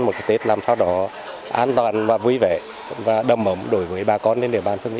một cái tết làm sao đó an toàn và vui vẻ và đầm ấm đổi với bà con lên địa bàn phương mỹ